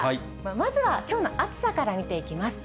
まずはきょうの暑さから見ていきます。